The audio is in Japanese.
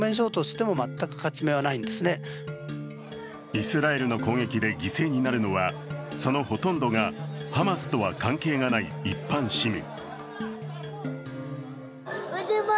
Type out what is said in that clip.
イスラエルの攻撃で犠牲になるのはそのほとんどがハマスとは関係がない一般市民。